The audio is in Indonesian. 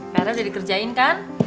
para udah dikerjain kan